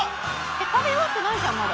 食べ終わってないじゃんまだ。